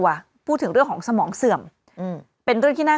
คุณผู้ชมขายังจริงท่านออกมาบอกว่า